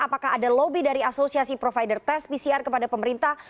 apakah ada lobby dari asosiasi provider tes pcr kepada pemerintah